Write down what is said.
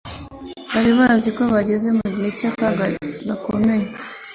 bari bazi ko bageze mu gihe cy'akaga gakomeye